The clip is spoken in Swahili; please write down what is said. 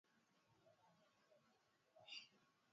Masomo ya sekondari ni rahisi sana